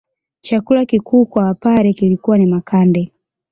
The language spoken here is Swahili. Chakula kikuu kwa wapare kilikuwa ni makande